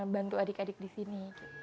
bantu adik adik di sini